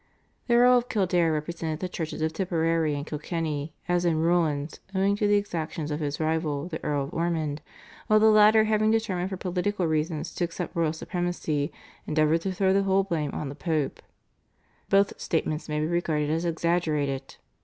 The Earl of Kildare represented the churches of Tipperary and Kilkenny as in ruins owing to the exactions of his rival, the Earl of Ormond, while the latter, having determined for political reasons to accept royal supremacy, endeavoured to throw the whole blame on the Pope. Both statements may be regarded as exaggerated.